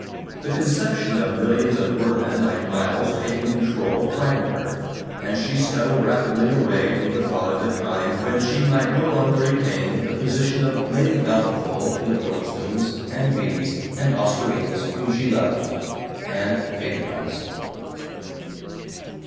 The conception of millions of workmen like Miles taking control frightened her, and she scuttled rapidly away from the thought of a time when she might no longer retain the position of Lady Bountiful to the Bjornstams and Beas and Oscarinas whom she loved and patronized.